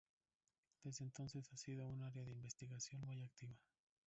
Desde entonces, ha sido un área de investigación muy activa.